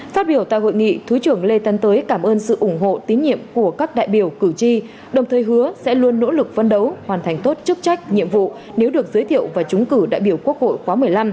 phát biểu tại hội nghị thứ trưởng lê tân tới cảm ơn sự ủng hộ tín nhiệm của các đại biểu cử tri đồng thời hứa sẽ luôn nỗ lực phân đấu hoàn thành tốt chức trách nhiệm vụ nếu được giới thiệu và trúng cử đại biểu quốc hội khóa một mươi năm